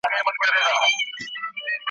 د دردونو او غمونو نرۍ لاري را ته ګوري `